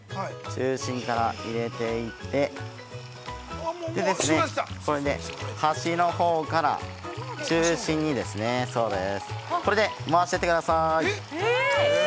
中心から入れていって、箸のほうから、中心にこれで回していってください。